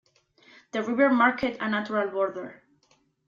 The river marked a natural border.